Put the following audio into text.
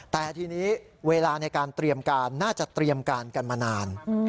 แต่ทีนี้เวลาในการเตรียมการน่าจะเตรียมการกันมานาน